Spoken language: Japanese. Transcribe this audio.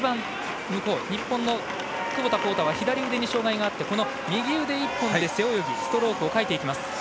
日本の窪田幸太は左腕に障がいがあって右腕１本で背泳ぎストロークをかいていきます。